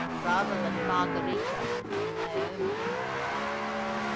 rather than Margherita or Naomi.